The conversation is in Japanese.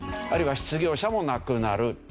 あるいは失業者もなくなる。